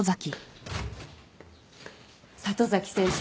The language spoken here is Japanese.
里崎先生